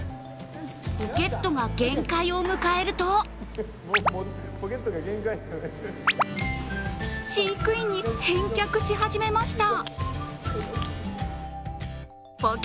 ポケットが限界を迎えると飼育員に返却し始めました。